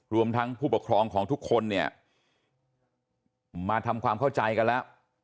รวมทั้งผู้ปกครองของทุกคนเนี่ยมาทำความเข้าใจกันแล้ว